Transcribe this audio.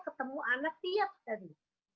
ketemu anak tiap hari